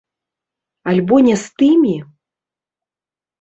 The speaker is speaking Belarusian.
Альбо не з тымі?